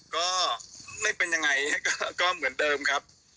ก็ไม่เป็นยังไงก็เหมือนเดิมครับ